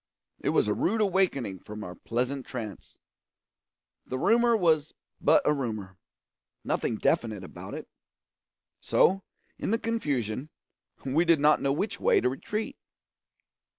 It was a rude awakening from our pleasant trance. The rumour was but a rumour nothing definite about it; so, in the confusion, we did not know which way to retreat.